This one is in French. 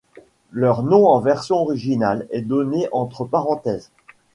Leur nom en version originale est donné entre parenthèses.